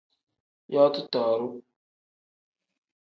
Yooti tooru.